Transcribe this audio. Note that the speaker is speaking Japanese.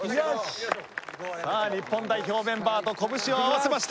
さあ日本代表メンバーと拳を合わせました。